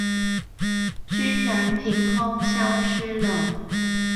居然憑空消失了